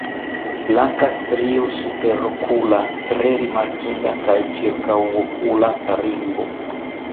Blanka strio superokula tre rimarkinda kaj ĉirkaŭokula ringo.